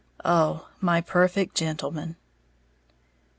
Oh, my perfect gentleman!